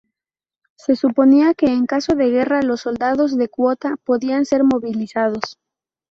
Se suponía que en caso de guerra, los "soldados de cuota" podían ser movilizados.